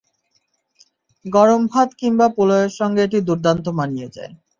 গরম ভাত কিংবা পোলাওয়ের সঙ্গে এটি দুর্দান্ত মানিয়ে যায়।